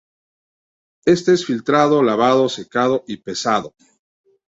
Este es filtrado, lavado, secado y pesado.